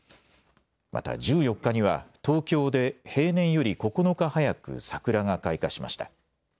また１４日には東京で平年より９日早く桜が開花しました。